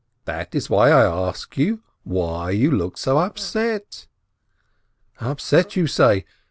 That is why I ask you why you look so upset." "Upset, you say?